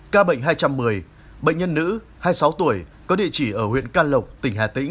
ca bệnh hai trăm một mươi bệnh nhân nữ hai mươi sáu tuổi có địa chỉ ở huyện can lộc tỉnh hà tĩnh